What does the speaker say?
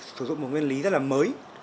sử dụng một nguyên lý rất là mới